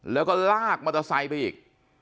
แล้วก็รากมัตตาไซค์ไปอีก